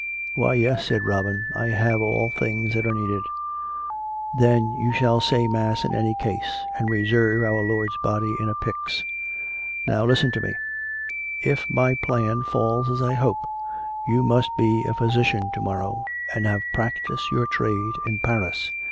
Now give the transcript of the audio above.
" Why, yes," said Robin. " I have all things that are needed." " Then you shall say mass in any case ... and reserve our Lord's Body in a pyx. ... Now listen to me. If my plan falls as I hope, you must be a physician to morrow, and have practised your trade in Paris.